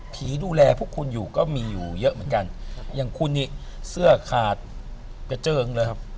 ดูแลพวกคุณอยู่ก็มีอยู่เยอะเหมือนกันอย่างคุณนี่เสื้อขาดกระเจิงเลยครับ